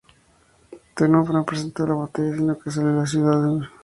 Termo no presentó batalla, sino que salió de la ciudad y huyó.